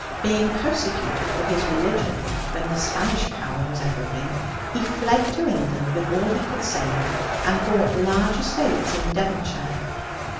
Being persecuted for his religion, when the Spanish power was everything, he fled to England with all he could save, and bought large estates in Devonshire.